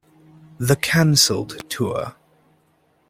"The Cancelled Tour".